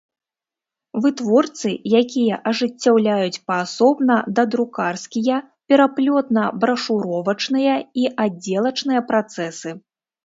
Вытворцы, якiя ажыццяўляюць паасобна дадрукарскiя, пераплётна-брашуровачныя i аддзелачныя працэсы.